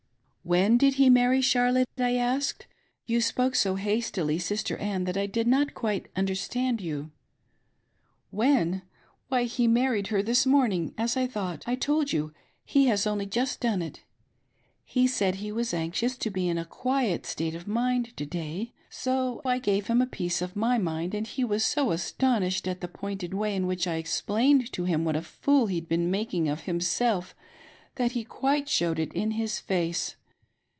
" When did he marry Charlotte V I asked. " You spoke so hastily, Sister Ann, that I did not quite understand you." "When .' Why he married her this morning, as I thought I, tdld you — he has only just done it. — 'He said he was anxious to be in a quiet state of mind to day, so I gave him a piece of »9" mind, and he was so astonished at the pointed way in which I explained to him what a fool he'd been making of hinKelf that he quite showed it in his face.